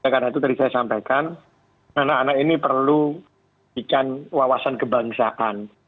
karena itu tadi saya sampaikan anak anak ini perlu diikan wawasan kebangsaan